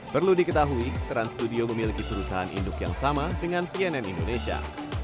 perlu diketahui trans studio memiliki perusahaan induk yang sama dengan cnn indonesia